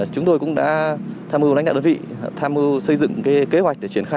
chúng tôi cũng đã tham mưu lãnh đạo đơn vị tham mưu xây dựng kế hoạch để triển khai